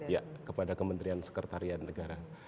ya kepada kementerian sekretarian negara